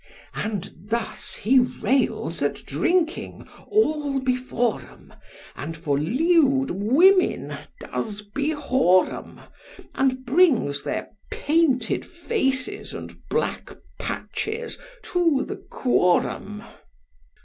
And thus he rails at drinking all before 'em, And for lewd women does be whore 'em, And brings their painted faces and black patches to th' quorum.